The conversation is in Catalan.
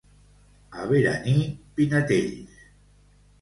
A Beraní, pinetells.